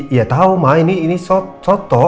iya tau ma ini soto